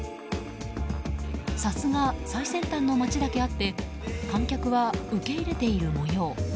さすが最先端の街だけあって観客は受け入れているもよう。